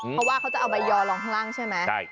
เพราะว่าเขาจะเอาไปยอรองรั่งใช่ไหม